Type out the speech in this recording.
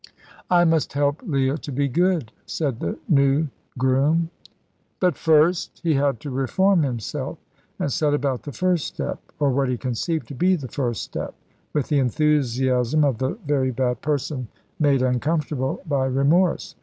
"I must help Leah to be good," said the new broom. But first he had to reform himself, and set about the first step, or what he conceived to be the first step, with the enthusiasm of the very bad person made uncomfortable by remorse.